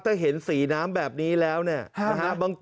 ถ้าเห็นสีน้ำแบบนี้แล้วเนี่ยนะฮะ